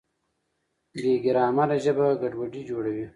بې ګرامره ژبه ګډوډي جوړوي.